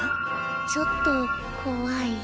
ちょっと怖い。